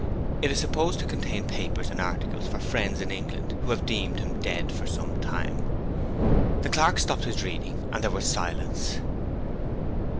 It is supposed to contain papers and articles for friends in England who have deemed him dead for some time."' The clerk stopped his reading, and there was a silence.